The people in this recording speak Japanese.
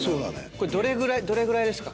これどれぐらいですか？